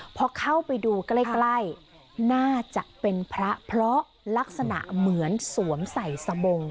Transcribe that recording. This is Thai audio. พอเข้าไปดูใกล้น่าจะเป็นพระเพราะลักษณะเหมือนสวมใส่สบง